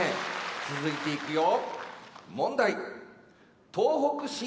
続いていくよ問題。